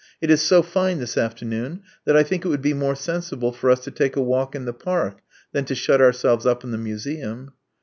It is so fine this afternoon that I think it would be more sensible for us to take a walk in the Park than to shut ourselves up in the Museum."